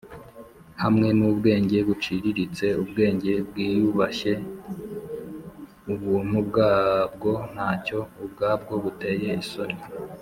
hamwe n'ubwenge buciriritse: ubwenge bwiyubashye, ubuntu bwabwo ntacyo ubwabwo buteye isoni